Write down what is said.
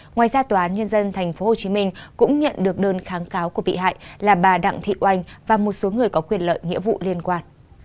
ngoài ra tòa án nhân dân tp hcm cũng nhận được đơn kháng cáo của bị hại là bà đặng thị oanh và một số người có quyền lợi nghĩa vụ liên quan